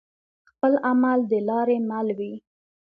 خپل عمل دلاري مل وي